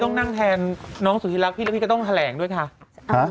ต้องนั่งแทนน้องสุธิรักพี่แล้วพี่ก็ต้องแถลงด้วยค่ะ